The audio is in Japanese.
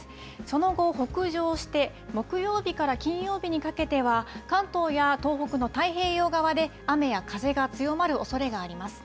その後、北上して、木曜日から金曜日にかけては、関東や東北の太平洋側で雨や風が強まるおそれがあります。